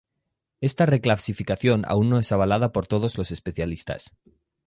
Esta reclasificación aún no es avalada por todos los especialistas.